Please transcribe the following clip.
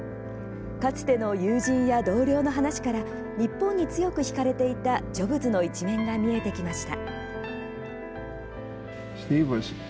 かつての友人や同僚の話から日本に強く引かれていたジョブズの一面が見えてきました。